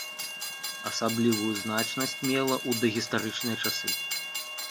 Асаблівую значнасць мела ў дагістарычныя часы.